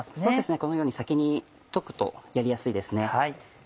このように先に溶くとやりやすいですね。